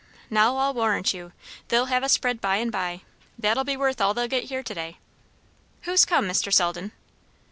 Now I'll warrant you, they'll have a spread by and by, that'll be worth all they'll get here to day." "Who's come, Mr. Selden?"